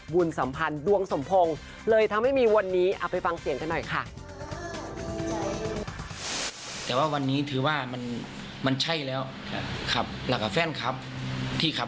สัมพันธ์ดวงสมพงศ์เลยทำให้มีวันนี้เอาไปฟังเสียงกันหน่อยค่ะ